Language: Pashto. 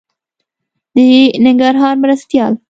د ننګرهار مرستيال